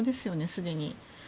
すでに。